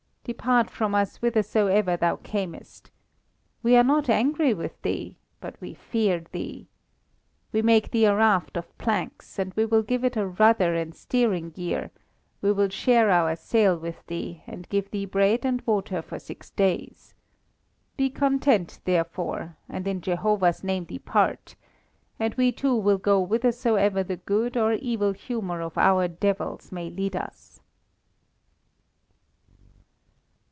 Depart from us whithersoever thou camest. We are not angry with thee, but we fear thee. We will make thee a raft of planks; we will give it a rudder and steering gear; we will share our sail with thee, and give thee bread and water for six days. Be content, therefore, and in Jehovah's name depart, and we too will go whithersoever the good or evil humour of our devils may lead us."